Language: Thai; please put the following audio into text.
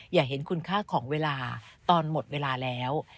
อย่าเห็นคุณค่าของเวลาตอนหมดเวลาแล้ว